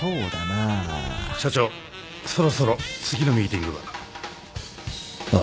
社長そろそろ次のミーティングが。ああ。